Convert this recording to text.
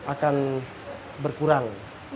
akannya akan berkurang